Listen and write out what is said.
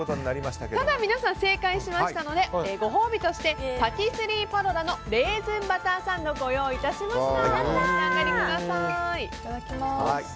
ただ、皆さん正解しましたのでご褒美としてパティスリー・パロラのレーズンバターサンドをご用意いたしました。